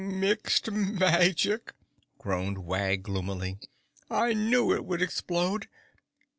"Mixed Magic!" groaned Wag gloomily. "I knew it would explode.